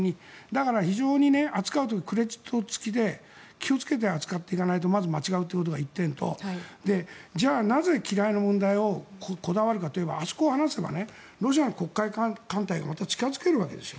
だから、非常に扱う時クレジット付きで気をつけて扱っていかないとまず間違うということが１点とじゃあなぜ機雷の問題をこだわるかといえばあそこを離せばロシアの黒海艦隊がまた近付けるわけです。